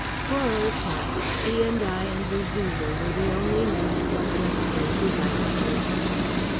Poor Old Hat, B. and I and the Zulu were the only men at La Ferté who liked you.